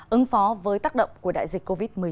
ứng phó với tác động của đại dịch covid một mươi chín